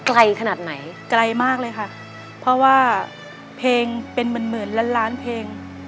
ไกลขนาดไหนไกลมากเลยค่ะเพราะว่าเพลงเป็นหมื่นหมื่นล้านล้านเพลง